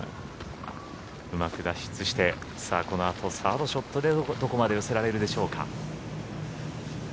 うまく脱出して、このあとサードショットでどこまで寄せられるでしょうか。